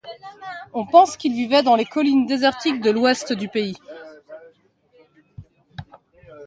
On pense qu'il vivait dans les collines désertiques de l'ouest du pays.